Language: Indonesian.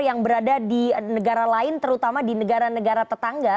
yang berada di negara lain terutama di negara negara tetangga